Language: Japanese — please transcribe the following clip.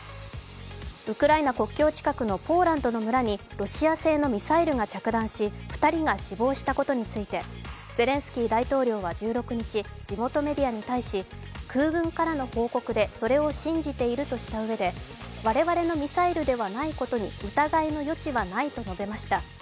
ウクライナ国境近くのポーランドの村にロシア製のミサイルが着弾し２人が死亡しことについてゼレンスキー大統領は、１６日地元メディアに対し空軍からの報告でそれを信じているとしたうえで我々のミサイルではないことに疑いの余地はないと述べました。